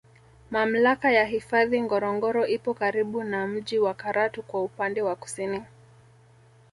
Mamlaka ya hifadhi Ngorongoro ipo karibu na mji wa Karatu kwa upande wa kusini